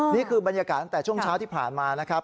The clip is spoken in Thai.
นี่คือบรรยากาศตั้งแต่ช่วงเช้าที่ผ่านมานะครับ